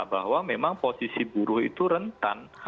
bahwa memang posisi buruh itu rentan